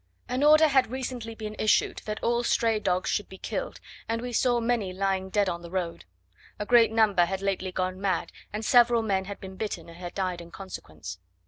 An order had recently been issued that all stray dogs should be killed, and we saw many lying dead on the road. A great number had lately gone mad, and several men had been bitten and had died in consequence.